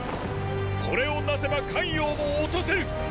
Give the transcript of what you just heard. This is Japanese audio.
これを成せば咸陽も落とせる！